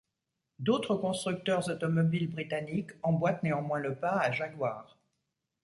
D’autres constructeurs automobiles britanniques emboîtent néanmoins le pas à Jaguar.